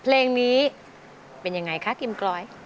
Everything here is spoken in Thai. เพลงนี้เป็นยังไงคะกิมกรอย